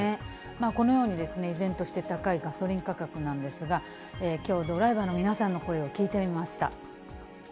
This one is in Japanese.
このように依然として高いガソリン価格なんですが、きょう、ドライバーの皆さんの声を聞いてみました。